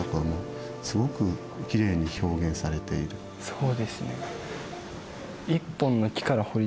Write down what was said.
そうですね。